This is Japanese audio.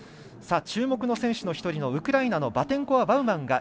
注目の選手の１人のウクライナのバテンコワバウマン